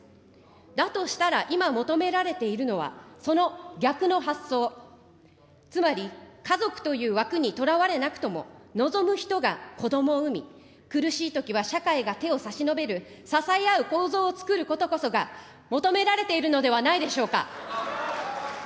だとしたら今、求められているのは、その逆の発想、つまり家族という枠にとらわれなくとも、望む人が子どもを産み、苦しいときは社会が手を差し伸べる、支え合う構造を作ることこそが、求められているのではないでしょうか。